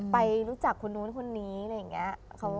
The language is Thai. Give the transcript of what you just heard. ไปรู้จักคนนู้นคนนี้อะไรอย่างนี้